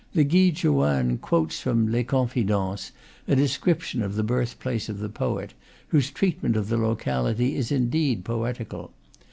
The Guide Joanne quotes from "Les Confidences" a description of the birthplace of the poet, whose treatment of the locality is indeed poetical.